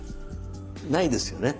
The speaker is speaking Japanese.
ないですよね。